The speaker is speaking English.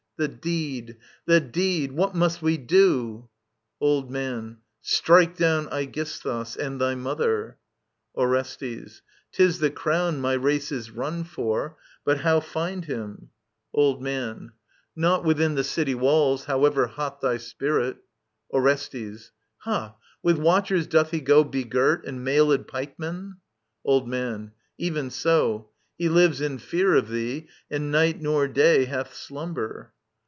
The deed, the deed I What must we do i Old Man. Strike down Aegisthus ••. and thy mother. Orestes. *Tis the crown My race is run for. But how find him I Digitized by VjOOQIC ELECTRA 39 Old Man. Not Within the city walls, however hot Thy spirit. Orestes. Ha ! With watchers doth he go Begirt) and mailed pikemen ? Old Man. Even so : He lives in fear of thee, and night nor day Hath slumber.